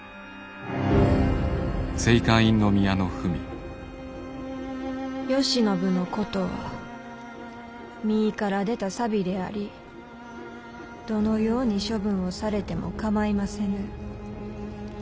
「慶喜のことは身から出た錆でありどのように処分をされても構いませぬ。